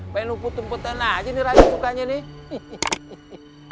main numput numputan aja nih raden sukanya nih